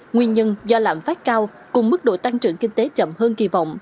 nguyên nhân do lãm phát cao cùng mức độ tăng trưởng kinh tế chậm hơn kỳ vọng